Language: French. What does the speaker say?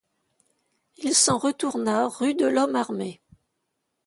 Il s'en retourna rue de l'Homme-Armé.